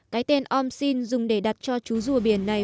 cái tên omxin dùng để đặt cho chú rùa biển này